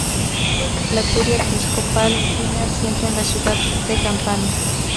La Curia episcopal tiene asiento en la Ciudad de Campana.